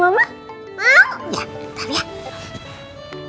ya bentar ya